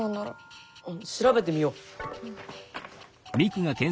あっ調べてみよう。